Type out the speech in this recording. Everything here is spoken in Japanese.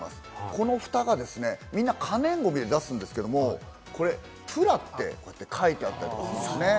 このフタがみんな可燃ごみで出すんですけれども、これ「プラ」って書いてあるんですよね。